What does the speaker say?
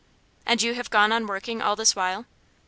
"And you have gone on working all this while?"